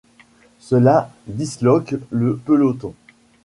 Cela disloque le peloton.